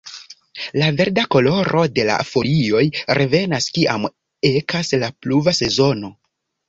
La verda koloro de la folioj revenas kiam ekas la pluva sezono.